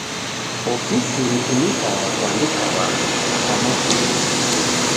Ofisi ritumikagha kuandika w'andu na kwa mafundisho.